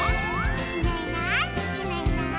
「いないいないいないいない」